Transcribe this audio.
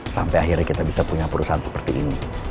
sampai akhirnya kita bisa punya perusahaan seperti ini